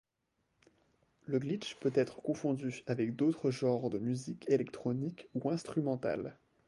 Le glitch peut être confondu avec d'autres genres de musique électronique ou instrumentale.